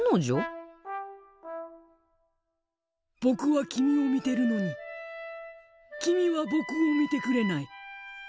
僕は君を見てるのに君は僕を見てくれない。